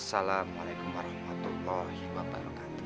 assalamualaikum warahmatullahi wabarakatuh